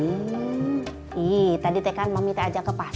ih tadi kan mami teh ajak ke pasar